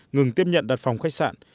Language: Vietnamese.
ngừng tiếp nhận đặt phòng khách sạn